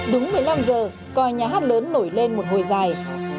đến một mươi năm h coi nhà hát lớn nổi lên một hồi dài